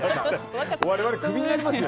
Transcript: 我々、クビになりますよ